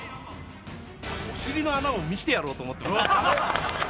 お尻の穴を見せてやろうと思ってます。